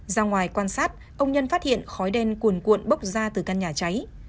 ra ngoài quan sát ông nhân phát hiện khói đen cuồn cuộn bốc ra từ căn nhà cháy